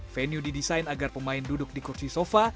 venue didesain agar pemain duduk di kursi sofa